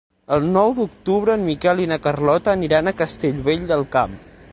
El nou d'octubre en Miquel i na Carlota aniran a Castellvell del Camp.